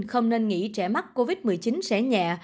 không nên nghỉ trẻ mắc covid một mươi chín sẽ nhẹ